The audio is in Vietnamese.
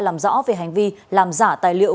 làm rõ về hành vi làm giả tài liệu